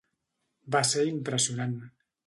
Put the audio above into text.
Va ser impressionant.